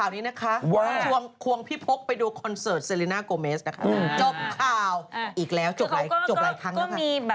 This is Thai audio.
มีแฟนของเขาแช็ดเจตของเขา